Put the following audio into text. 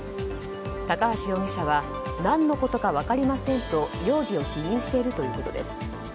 高橋容疑者は何のことか分かりませんと容疑を否認しているということです。